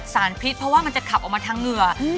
สารพิษเพราะว่ามันจะขับออกมาทางเหงื่อ